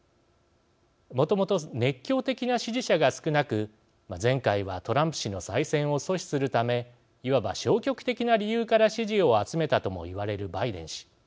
もともと熱狂的な支持者が少なく前回はトランプ氏の再選を阻止するためいわば消極的な理由から支持を集めたとも言われるバイデン氏。